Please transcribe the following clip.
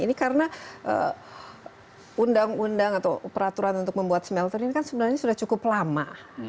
ini karena undang undang atau peraturan untuk membuat smelter ini kan sebenarnya sudah cukup lama